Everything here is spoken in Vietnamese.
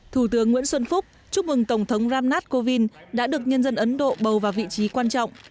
thủ tướng nguyễn xuân phúc chúc mừng tổng thống ramnath kovind đã được nhân dân ấn độ bầu vào vị trí quan trọng